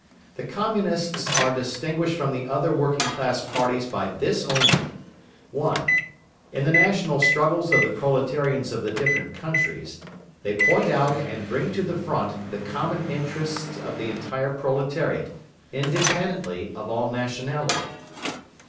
The Communists are distinguished from the other working class parties by this only: (1) In the national struggles of the proletarians of the different countries, they point out and bring to the front the common interests of the entire proletariat, independently of all nationality.